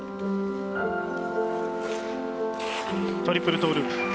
トリプルトーループ。